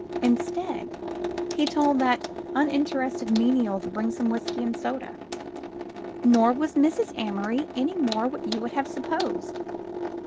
Instead, he told that unin terested menial to bring some whisky and soda. Nor was Mrs. Amory any more what you would have supposed.